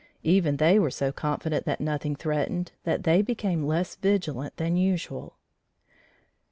Even they were so confident that nothing threatened, that they became less vigilant than usual.